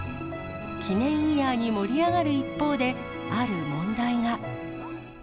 記念イヤーに盛り上がる一方で、ある問題が。